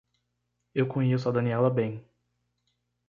Eu conheço a Daniela bem.